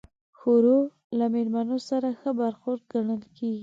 ښوروا له میلمانه سره ښه برخورد ګڼل کېږي.